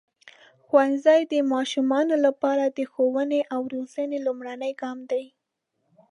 ښوونځی د ماشومانو لپاره د ښوونې او روزنې لومړنی ګام دی.